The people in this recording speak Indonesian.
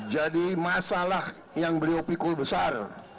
jadi masalah yang beliau pikul besar